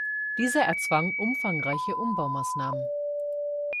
Dieser erzwang umfangreiche Umbaumaßnahmen.